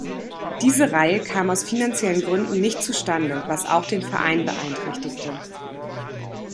Diese Reihe kam aus finanziellen Gründen nicht zustande, was auch den Verein beeinträchtigte.